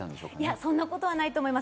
そんなことないと思います。